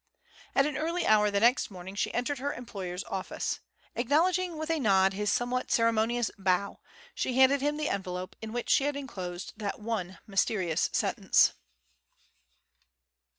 At an early hour the next morning she entered her employer's office. Acknowledging with a nod his somewhat ceremonious bow, she handed him the envelope in which she had enclosed that one mysterious sentence.